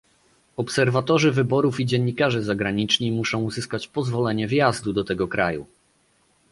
Obserwatorzy wyborów i dziennikarze zagraniczni muszą uzyskać pozwolenie wjazdu do tego kraju